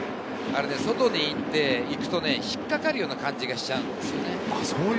外に行くと引っ掛かるような感じがしちゃうんですよね。